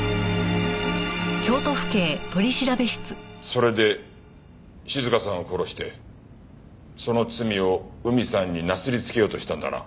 それで静香さんを殺してその罪を海さんになすりつけようとしたんだな？